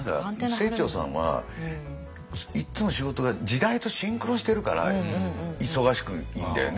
何か清張さんはいっつも仕事が時代とシンクロしてるから忙しくいんだよね。